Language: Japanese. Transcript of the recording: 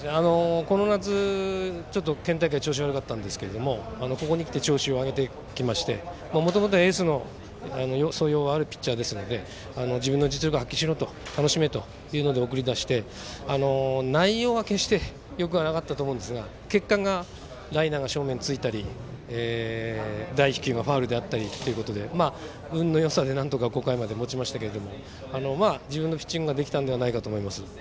この夏、県大会調子が悪かったですがここに来て調子を上げてきましてもともとエースの素養があるピッチャーですので自分の実力を発揮しろ楽しめと送り出して内容は決してよくはなかったと思いますが結果がライナーが正面をついたりファウルであったり運のよさでなんとか５回まで持ちましたけど自分のピッチングができたのではと思います。